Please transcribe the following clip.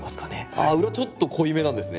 あっ裏ちょっと濃いめなんですね。